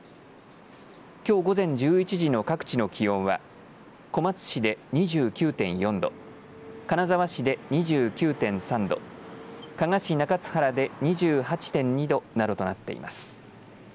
きょう午前１１時の各地の気温は小松市で２９．４度金沢市で２９．３度加賀市中津原で２８．２度などとなっています。